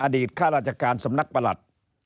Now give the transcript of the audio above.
ข้าราชการสำนักประหลัด